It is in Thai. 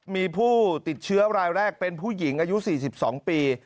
มีผู้ติดเชื้อรายแรกเป็นผู้หญิงอายุ๔๒ปี